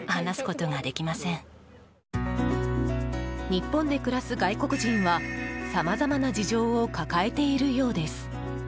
日本で暮らす外国人はさまざまな事情を抱えているようです。